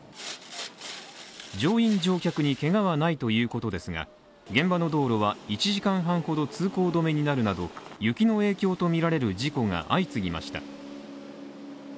乗員・乗客にけがはないということですが、現場の道路は一時間ほど通行止めになるなど、雪の影響とみられる事故が相次ぎました。